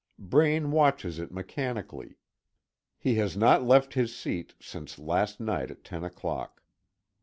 Braine watches it mechanically. He has not left his seat since last night at ten o'clock.